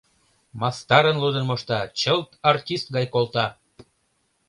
Мастарын лудын мошта, чылт артист гай колта!